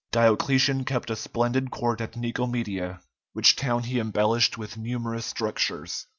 Diocletian kept a splendid court at Nicomedia, which town he embellished with numerous structures.